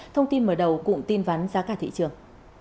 thông tin mở đầu cũng tin vắn giá cả thị trường